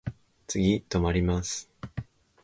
次止まります。